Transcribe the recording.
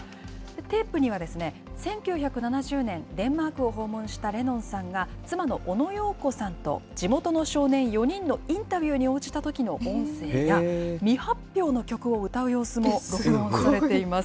テープには、１９７０年、デンマークを訪問したレノンさんが、妻のオノ・ヨーコさんと地元の少年４人のインタビューに応じたときの音声や、未発表の曲を歌う様子も録音されています。